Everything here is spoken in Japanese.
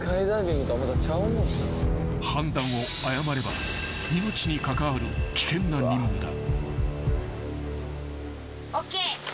［判断を誤れば命に関わる危険な任務だ］ＯＫ。